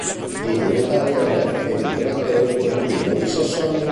Diede i natali al re ed imperatore Ottone I di Sassonia.